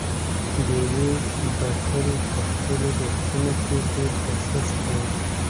ډېوې به تل په خپلو درسونو کې ډېر کوښښ کاوه،